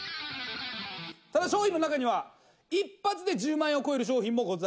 ただ商品の中には１発で１０万円を超える商品もございます。